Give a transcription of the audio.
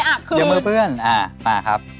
เดี๋ยวมือเพื่อนมาครับ